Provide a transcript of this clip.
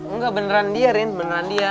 enggak beneran dia rin beneran dia